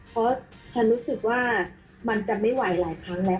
เพราะฉันรู้สึกว่ามันจะไม่ไหวหลายครั้งแล้ว